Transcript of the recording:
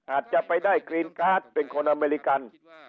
อาจจะไปได้ครีนการ์ดเป็นคนอเมริกัน